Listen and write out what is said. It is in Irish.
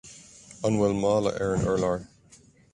An bhfuil mála ar an urlár